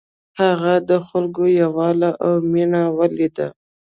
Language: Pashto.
هغه د خلکو یووالی او مینه ولیده.